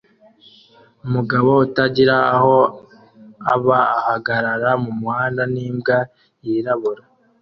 Umugabo utagira aho aba ahagarara mumuhanda n'imbwa yirabura